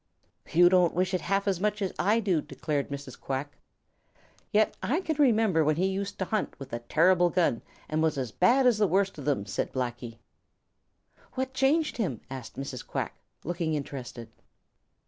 "You don't wish it half as much as I do," declared Mrs. Quack. "Yet I can remember when he used to hunt with a terrible gun and was as bad as the worst of them," said Blacky. "What changed him?" asked Mrs. Quack, looking interested.